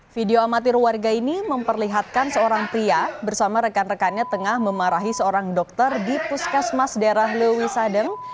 video amatir warga ini memperlihatkan seorang pria bersama rekan rekannya tengah memarahi seorang dokter di puskesmas daerah lewisadeng